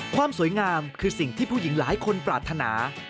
ความสวยงามคือสิ่งที่ผู้หญิงหลายคนปรารถนา